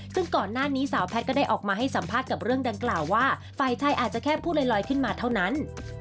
ซึ่งก่อนหน้านี้สาวแพทย์ก็ได้ออกมาให้สัมภาษณ์กับเรื่องดังกล่าวว่าฝ่ายชายอาจจะแค่พูดลอยขึ้นมาเท่านั้น